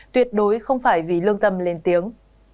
tuyệt đối không phải vì lương tâm lên tiếng